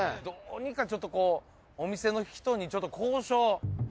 どうにかちょっとこうお店の人にちょっと交渉。